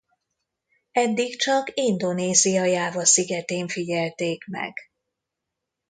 Eddig csak Indonézia Jáva szigetén figyelték meg.